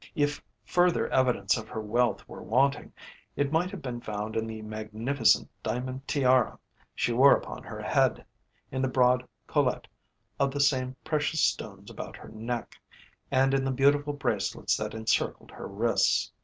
If further evidence of her wealth were wanting, it might have been found in the magnificent diamond tiara she wore upon her head, in the broad collet of the same precious stones about her neck, and in the beautiful bracelets that encircled her wrists.